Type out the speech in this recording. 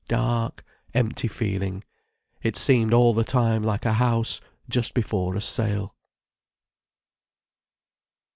Dark, empty feeling, it seemed all the time like a house just before a sale.